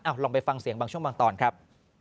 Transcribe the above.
ลองไปฟังเสียงบางช่วงบางตอนครับ